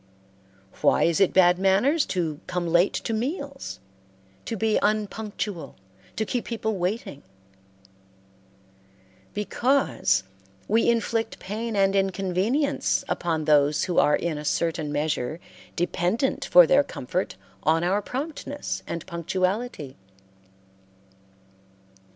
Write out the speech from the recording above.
Why is it bad manners to come late to meals, to be unpunctual, to keep people waiting? Because we inflict pain and inconvenience upon those who are in a certain measure dependent for their comfort on our promptness and punctuality.